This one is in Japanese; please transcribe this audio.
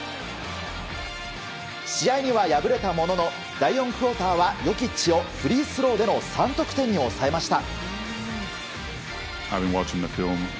試合には敗れたものの第４クオーターはヨキッチをフリースローでの３得点に抑えました。